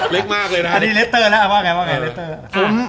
อ๋อเล็กมากเลยนะ